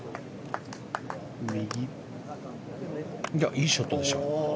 いいショットですが。